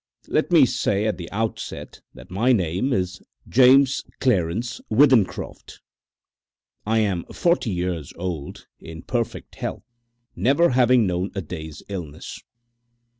Let me say at the outset that my name is James Clarence Withencroft. I am forty years old, in perfect health, never having known a day's illness.